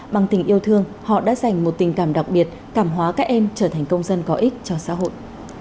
bằng tình yêu thương họ đã dành một tình cảm đặc biệt cảm hóa các em trở thành công dân có ích cho xã hội